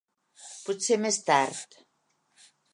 Potser més tard.